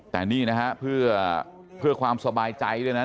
แต่อันนี้นะครับเพื่อความสบายใจด้วยนะ